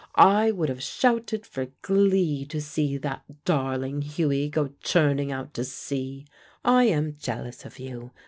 I would have shouted for glee to see that darling Hughie go churning out to sea. I am jealous of you.